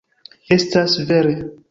Estas vere.